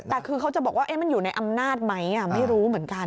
แต่คือเขาจะบอกว่ามันอยู่ในอำนาจไหมไม่รู้เหมือนกัน